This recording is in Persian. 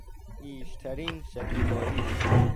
بیشترین شکیبایی